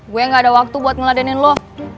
gue gak ada waktu buat ngeladenin lo